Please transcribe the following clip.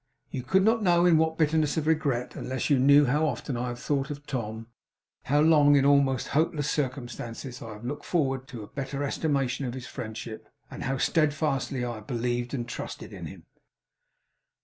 You could not know in what bitterness of regret, unless you knew how often I have thought of Tom; how long in almost hopeless circumstances, I have looked forward to the better estimation of his friendship; and how steadfastly I have believed and trusted in him.